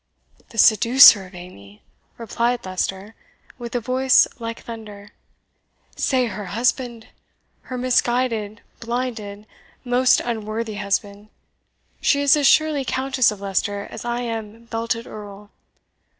"The SEDUCER of Amy!" replied Leicester, with a voice like thunder; "say her husband! her misguided, blinded, most unworthy husband! She is as surely Countess of Leicester as I am belted Earl.